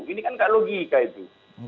ini kan gak logika itu